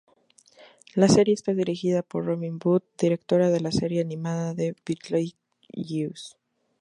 La serie está dirigida por Robin Budd directora de la serie animada de Beetlejuice.